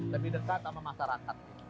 lebih dekat sama masyarakat